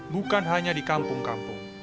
bukan hanya di kampung kampung